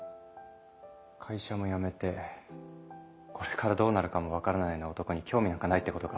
会社も辞めてこれからどうなるかも分からないような男に興味なんかないってことか。